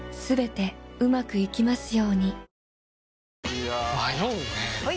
いや迷うねはい！